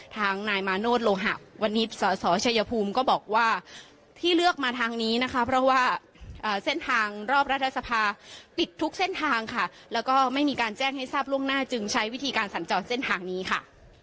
ทางนายมาโนธโลหะวันนี้สสชัยภูมิก็บอกว่าที่เลือกมาทางนี้นะคะเพราะว่าเส้นทางรอบรัฐสภาปิดทุกเส้นทางค่ะแล้วก็ไม่มีการแจ้งให้ทราบล่วงหน้าจึงใช้วิธีการสัญจรเส้นทางนี้ค่ะ